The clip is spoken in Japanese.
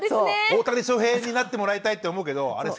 大谷翔平になってもらいたいって思うけどあれ